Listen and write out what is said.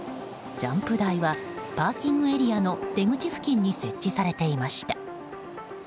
ジャンプ台はパーキングエリアの出口付近に設置されていました。